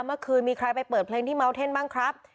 เมื่อคืนมีใครไปเปิดเพลงที่เมาเท่นบ้างครับ